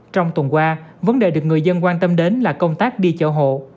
trong tuần qua vấn đề được người dân quan tâm đến là công tác đi chợ hộ